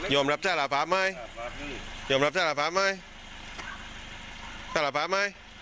ยอมรับศาลภาพไหมยอมรับศาลภาพไหมศาลภาพไหม